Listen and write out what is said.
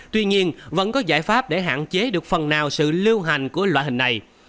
tuy nhiên vẫn có giải pháp để hạn chế được phần nào sự lưu hành của loại hình này